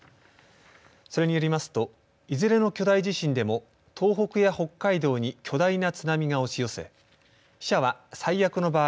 それによりますといずれの巨大地震でも東北や北海道に巨大な津波が押し寄せ死者は最悪の場合